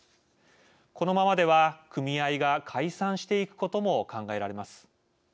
このままでは、組合が解散していくことも考えられます。